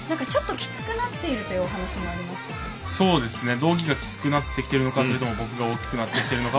きつくなっているというお話もありましたが。